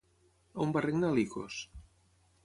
On va regnar Licos?